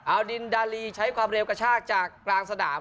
เอาดินดาลีใช้ความเร็วกระชากจากกลางสนาม